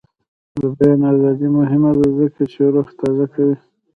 د بیان ازادي مهمه ده ځکه چې روح تازه کوي.